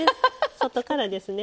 外からですね？